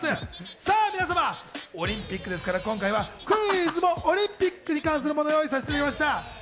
さぁ皆さん、オリンピックですから、クイズもオリンピックに関するものを用意させてもらいました。